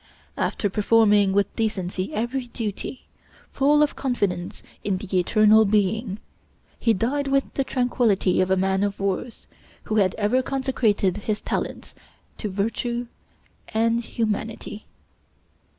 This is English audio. After performing with decency every duty, full of confidence in the Eternal Being, he died with the tranquillity of a man of worth, who had ever consecrated his talents to virtue and humanity.